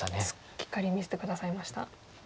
しっかり見せて下さいました。